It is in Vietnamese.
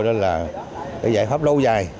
đó là cái giải pháp lâu dài